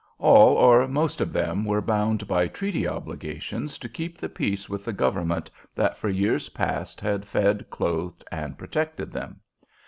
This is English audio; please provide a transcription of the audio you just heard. All or most of them were bound by treaty obligations to keep the peace with the government that for years past had fed, clothed, and protected them.